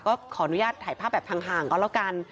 ก็ขออนุญาตถ่ายภาพแบบห่างก็แล้วกัน